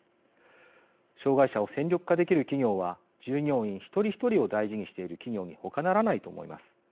障害者を戦力化できる企業は従業員一人一人を大事にしている企業にほかならないと思います。